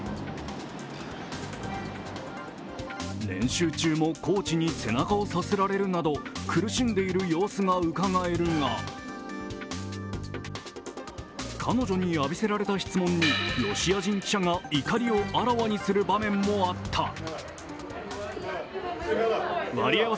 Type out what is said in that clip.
練習中もコーチに背中をさすられるなど苦しんでいる様子がうかがえるが彼女に浴びせられた質問に、ロシア人記者が怒りをあわらにする場面もあった。